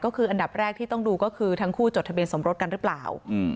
ก็คืออันดับแรกที่ต้องดูก็คือทั้งคู่จดทะเบียนสมรสกันหรือเปล่า